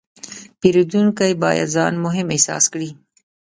پیرودونکی باید ځان مهم احساس کړي.